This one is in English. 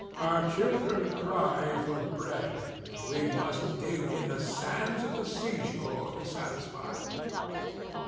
Our children cry for bread, and we must dig in the sands of the seashore to satisfy them.